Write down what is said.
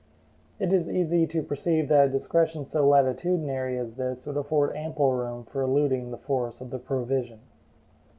It is easy to perceive that a discretion so latitudinary as this would afford ample room for eluding the force of the provision.